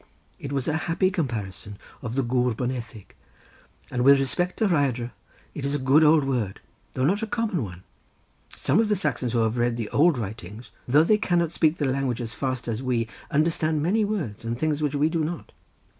It was a happy comparison of the Gwr Boneddig, and with respect to Rhaiadr it is a good old word, though not a common one; some of the Saxons who have read the old writings, though they cannot speak the language as fast as we, understand many words and things which we do not."